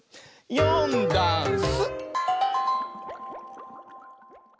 「よんだんす」